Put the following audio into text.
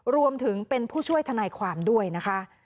รวมถึงเป็นผู้ช่วยทนายความด้วยนะคะ